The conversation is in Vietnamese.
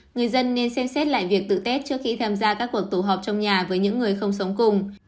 người dân nên xem xét lại việc tự tết trước khi tham gia các cuộc tụ họp trong nhà với những người không sống cùng